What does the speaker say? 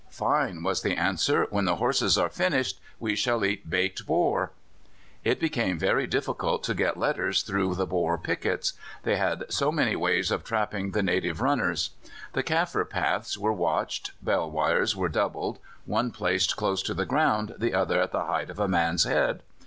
"Fine," was the answer, "When the horses are finished we shall eat baked Boer!" It became very difficult to get letters through the Boer pickets; they had so many ways of trapping the native runners. The Kaffir paths were watched; bell wires were doubled one placed close to the ground, the other at the height of a man's head.